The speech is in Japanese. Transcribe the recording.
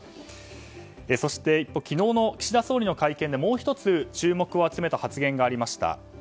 昨日の岸田総理の会見でもう１つ注目を集めた発言がありました。